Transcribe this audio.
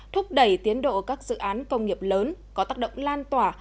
thúc đẩy tiến độ các dự án công nghiệp lớn có tác động lan tỏa